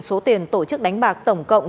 số tiền tổ chức đánh bạc tổng cộng